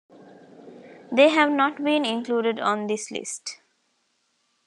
They have not been included on this list.